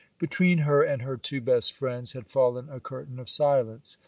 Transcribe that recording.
Between her and her two best friends had fallen a curtain of silence.